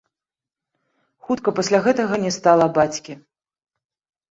Хутка пасля гэтага не стала бацькі.